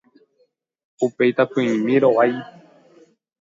upe itapỹimi rovái